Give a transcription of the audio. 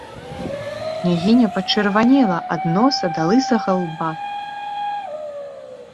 Княгіня пачырванела ад носа да лысага лба.